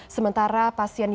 sementara pasien yang